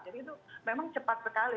jadi itu memang cepat sekali